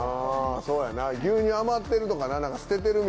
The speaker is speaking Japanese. そうやな牛乳余ってるとかな。